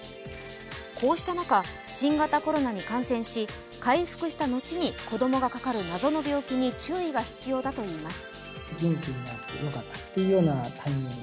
こうした中、新型コロナに感染し回復したのちに子どもがかかる謎の病気に注意が必要だとしています。